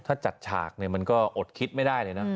ถ้าจัดฉากมันก็อดคิดไม่ได้เลยนะ